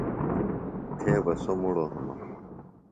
تھےۡ بہ سوۡ مڑوۡ ہِنوۡ